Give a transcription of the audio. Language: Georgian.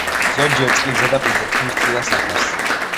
ზოგჯერ წყლის ზედაპირზე ქმნის მთლიან საფარს.